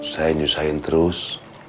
saya nyusahin terus